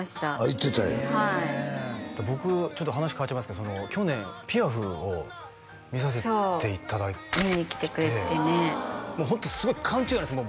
行ってたんやはい僕ちょっと話変わっちゃいますけど去年「ピアフ」を見させていただいてそう見に来てくれてねもうホントすごい勘違いなんです